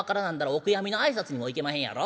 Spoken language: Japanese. お悔やみの挨拶にも行けまへんやろ。